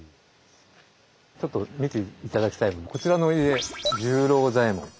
ちょっと見て頂きたいこちらの家「十郎左衛門」。